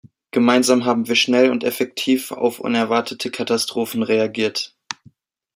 Gemeinsam haben wir schnell und effektiv auf unerwartete Katastrophen reagiert.